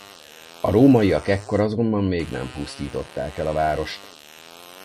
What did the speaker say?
A rómaiak ekkor azonban még nem pusztították el a várost.